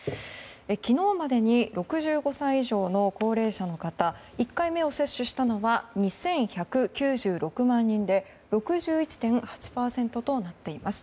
昨日までに６５歳以上の高齢者の方１回目を接種したのは２１９６万人で６１．８％となっています。